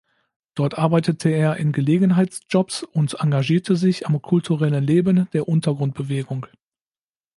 Dort arbeitete er in Gelegenheitsjobs und engagierte sich am kulturellen Leben der Untergrundbewegung.